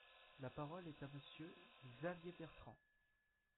La parole est à Monsieur Xavier Bertrand.